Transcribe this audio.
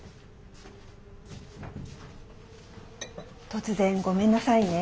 突然ごめんなさいね。